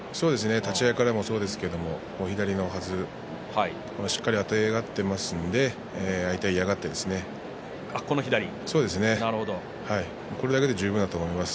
立ち合いからそうですが左のはずしっかりあてがっていますので相手は嫌がってこれだけで十分だと思います。